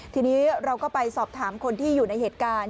ทีนี้เราก็ไปสอบถามคนที่อยู่ในเหตุการณ์